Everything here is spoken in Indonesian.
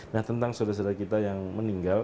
nah tentang saudara saudara kita yang meninggal